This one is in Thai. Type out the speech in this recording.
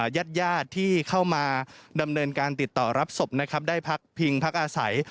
ญาติญาติที่เข้ามาดำเนินการติดต่อรับศพนะครับได้พักพิงพักอาศัย